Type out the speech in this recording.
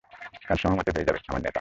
কাজ সময়মতোই হয়ে যাবে, আমার নেতা!